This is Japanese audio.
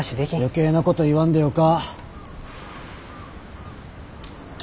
余計なこと言わんでよか。